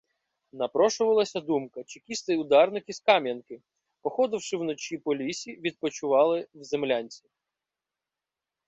Напрошувалася думка: чекісти-ударники з Кам'янки! Походивши вночі по лісі, відпочивали в землянці.